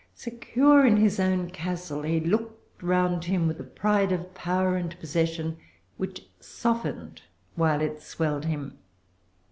Secure in his own castle, he looked round[Pg 392] him with a pride of power and possession which softened while it swelled him.